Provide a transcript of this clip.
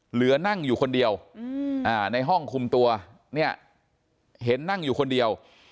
เหลือนั่งอยู่คนเดียวในห้องคุมตัวเนี่ยเห็นนั่งอยู่คนเดียว